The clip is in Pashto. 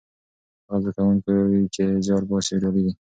هغه زده کوونکي چې زیار باسي بریالي دي.